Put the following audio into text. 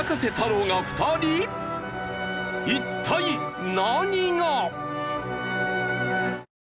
一体何が？